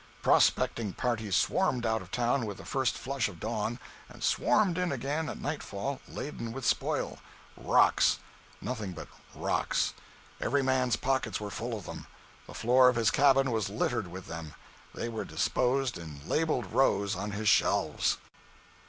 Prospecting parties swarmed out of town with the first flush of dawn, and swarmed in again at nightfall laden with spoil—rocks. Nothing but rocks. Every man's pockets were full of them; the floor of his cabin was littered with them; they were disposed in labeled rows on his shelves.